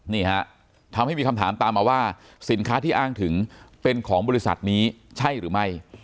นี่ฮะทำให้มีคำถามตามมาว่าสินค้าที่อ้างถึงเป็นของบริษัทนี้ใช่หรือไม่